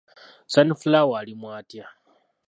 Sunflower alimwa atya?